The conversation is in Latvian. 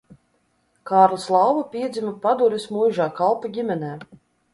Kārlis Lauva piedzima Padures muižā kalpa ģimenē.